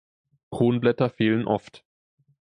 Kronblätter fehlen oft.